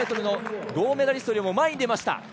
銅メダリストよりも前に出ました。